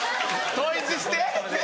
統一して。